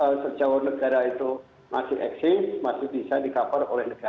kalau sejauh negara itu masih eksis masih bisa di cover oleh negara